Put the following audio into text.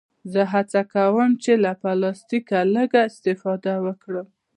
زه هڅه کوم چې له پلاستيکه لږ استفاده وکړم.